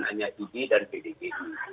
hanya idi dan pdsi